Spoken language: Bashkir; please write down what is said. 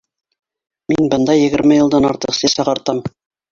Мин бында егерме йылдан артыҡ сәс ағартам.